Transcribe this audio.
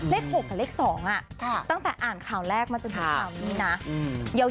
เลขหกกับเลขสองตั้งแต่อ่านข่าวแรกมันจะถึงข่าวนี้นะ